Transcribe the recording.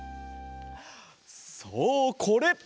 そうこれ！